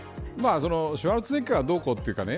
シュワルツェネッガーどうこうというかね